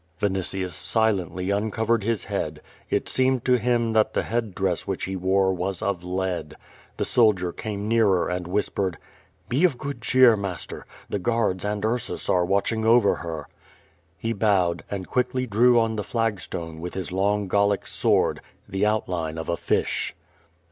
Vinitius silently uncovered his head. It seemed to him that the head dress which he wore was of lead. The soldier came nearer and whispered: "Be of good cheer, master. The guards and Ursus ar'j watching over her." He bowed, and quickly drew on the flag stone, with his long Gallic sword, the outline of a fish.